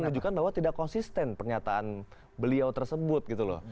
menunjukkan bahwa tidak konsisten pernyataan beliau tersebut gitu loh